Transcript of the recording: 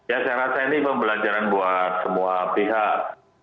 ya saya rasa ini pembelajaran buat semua pihak